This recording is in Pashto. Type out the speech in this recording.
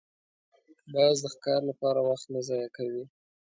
باز د ښکار لپاره وخت نه ضایع کوي